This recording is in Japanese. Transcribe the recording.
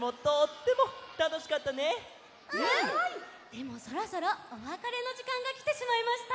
でもそろそろおわかれのじかんがきてしまいました。